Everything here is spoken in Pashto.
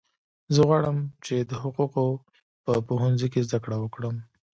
زه غواړم چې د حقوقو په پوهنځي کې زده کړه وکړم